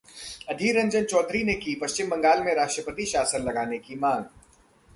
अधीर रंजन चौधरी ने की पश्चिम बंगाल में राष्ट्रपति शासन लगाने की मांग